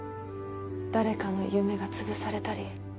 誰かの夢がつぶされたり